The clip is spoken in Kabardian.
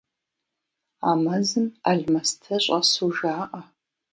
А мэзым алмэсты щӏэсу жаӏэ.